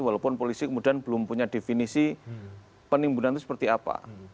walaupun polisi kemudian belum punya definisi penimbunan itu seperti apa